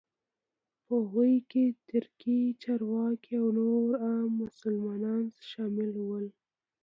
په هغوی کې ترکي چارواکي او نور عام مسلمانان شامل وو.